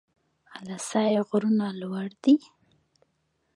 اله سای غرونه لوړ دي؟